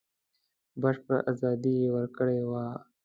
بشپړه ازادي یې ورکړې وه.